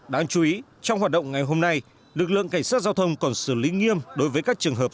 đáng chú ý trong hoạt động ngày hôm nay lực lượng cảnh sát giao thông còn xử lý nghiêm đối với các trường hợp